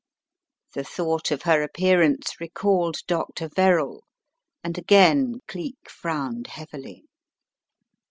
The thought of her appearance recalled Dr. Verrall and again Cleek frowned heavily.